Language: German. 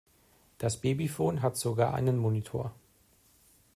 Das Babyphone hat sogar einen Monitor.